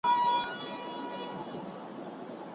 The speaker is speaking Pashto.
ایا هغې کله د چا په درد کې ځان لیدلی و؟